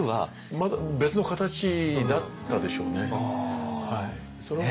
また別の形だったでしょうね。